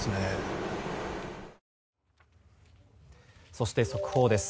そして速報です。